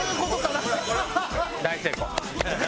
大成功。